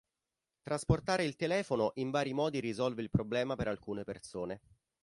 Trasportare il telefono in vari modi risolve il problema per alcune persone.